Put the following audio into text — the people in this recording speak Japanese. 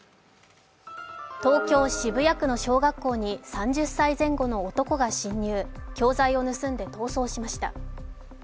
東京・渋谷区の小学校に３０歳前後の男が侵入、教材を盗んで逃走しました。